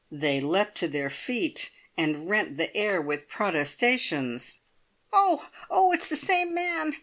They leapt to their feet, and rent the air with protestations. "Oh, oh! It's the Same Man!"